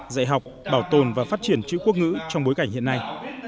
dạy học bảo tồn và phát triển chữ quốc ngữ trong bối cảnh hiện nay